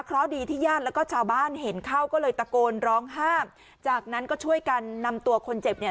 เพราะดีที่ญาติแล้วก็ชาวบ้านเห็นเข้าก็เลยตะโกนร้องห้ามจากนั้นก็ช่วยกันนำตัวคนเจ็บเนี่ย